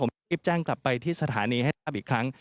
รีบแจ้งกลับไปที่สถานีให้ทราบอีกครั้ง